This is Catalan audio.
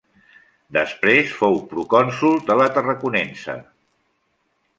Després fou procònsol de la Tarraconense.